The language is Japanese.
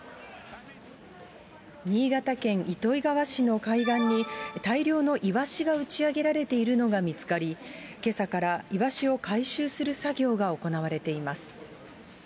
新潟県糸魚川市の海岸に、大量のイワシが打ち上げられているのが見つかり、けさからイワシを回収する作業が行われています。